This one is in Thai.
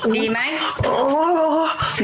ดีไหม